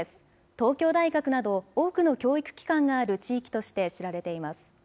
東京大学など多くの教育機関がある地域として知られています。